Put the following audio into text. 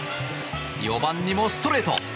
４番にもストレート。